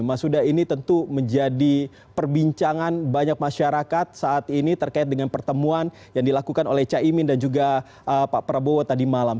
mas huda ini tentu menjadi perbincangan banyak masyarakat saat ini terkait dengan pertemuan yang dilakukan oleh caimin dan juga pak prabowo tadi malam